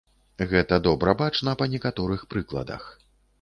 Гэта добра бачна па некаторых прыкладах.